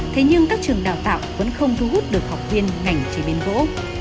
thế nhưng các trường đào tạo vẫn không thu hút được học viên ngành chế biến gỗ